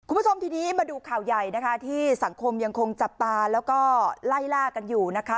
คุณผู้ชมทีนี้มาดูข่าวใหญ่นะคะที่สังคมยังคงจับตาแล้วก็ไล่ล่ากันอยู่นะคะ